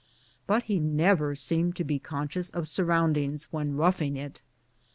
But he never seemed to be conscious of surroundings when " roughing it."